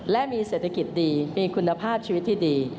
และมีเศรษฐกิจดีมีคุณภาพชีวิตที่ดี